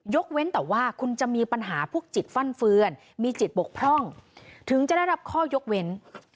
เว้นแต่ว่าคุณจะมีปัญหาพวกจิตฟั่นเฟือนมีจิตบกพร่องถึงจะได้รับข้อยกเว้น